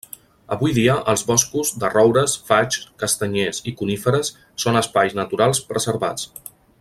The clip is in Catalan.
Avui dia els boscos, de roures, faigs, castanyers i coníferes, són espais naturals preservats.